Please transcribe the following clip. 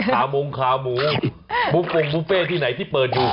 ขามงขาหมูบุฟฟงบุฟเฟ่ที่ไหนที่เปิดอยู่